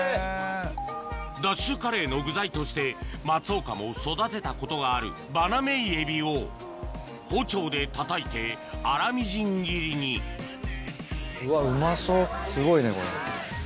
ＤＡＳＨカレーの具材として松岡も育てたことがあるバナメイエビを包丁でたたいて粗みじん切りにすごいねこれ。